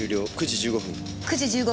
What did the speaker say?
９時１５分。